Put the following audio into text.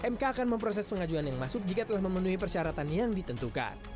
mk akan memproses pengajuan yang masuk jika telah memenuhi persyaratan yang ditentukan